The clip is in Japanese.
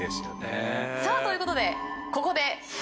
さあということでここでクイズです！